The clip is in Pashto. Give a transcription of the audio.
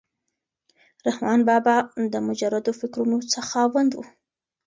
رحمان بابا د مجردو فکرونو خاوند و.